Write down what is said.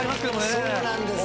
そうなんですよね。